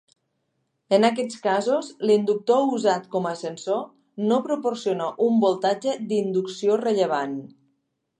En aquests casos l'inductor usat com a sensor no proporciona un voltatge d'inducció rellevant.